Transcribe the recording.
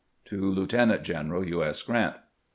Lieutenant general U. S. G rant.